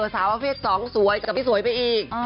สาวภาพีชสองสวยกับพี่สวยไปอีก